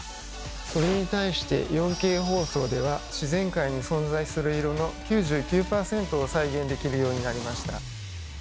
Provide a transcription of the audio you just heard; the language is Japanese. それに対して４Ｋ放送では自然界に存在する色の９９％を再現できるようになりました。